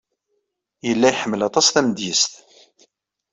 Yella iḥemmel aṭas tamedyazt.